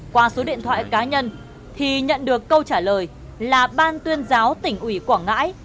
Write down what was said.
qua số điện thoại cá nhân thì nhận được câu trả lời là ban tuyên giáo tỉnh ủy quảng ngãi